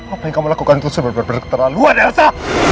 apa yang kamu lakukan itu seberberber terlaluan elsa